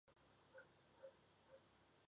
该党的智库是国家战略中心。